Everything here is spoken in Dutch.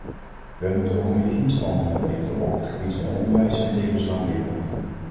Wij moeten ook meer inspanningen leveren op het gebied van onderwijs en levenslang leren.